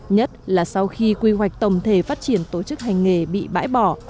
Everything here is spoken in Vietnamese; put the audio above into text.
nhất là sau khi quy hoạch tổng thể phát triển tổ chức hành nghề bị bãi bỏ